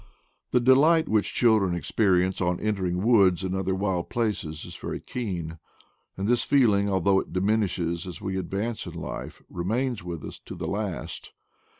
The delight which children experience on entering woods and other wild places is very keen; and this feeling, al though it diminishes as we advance in life, re mains with us to the last.